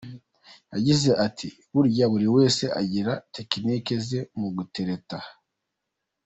Yagize ati “Burya buri wese agira tekiniki ze mu gutereta.